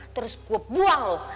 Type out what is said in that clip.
terus gue buang lo